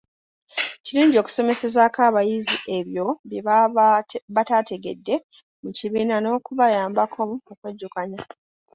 Kirungi okusomesezaako abayizi ebyo bye baaba batategedde mu kibiina n'okuyambako okwejjukanya.